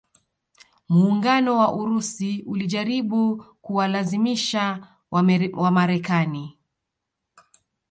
Muungano wa Urusi ulijaribu kuwalazimisha Wamarekani